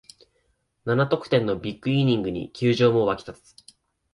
七得点のビッグイニングに球場も沸き立つ